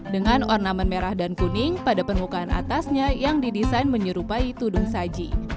dengan ornamen merah dan kuning pada permukaan atasnya yang didesain menyerupai tudung saji